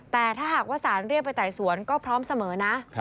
แต่ถ้าหากว่าสารเรียกไปไต่สวนก็พร้อมเสมอนะ